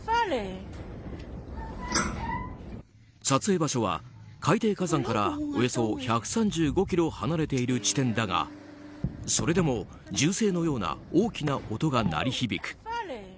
撮影場所は、海底火山からおよそ１３５ｋｍ離れている地点だがそれでも銃声のような大きな音が鳴り響く。